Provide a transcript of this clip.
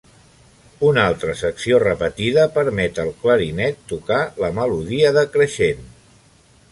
Una altra secció repetida permet al clarinet tocar la melodia decreixent.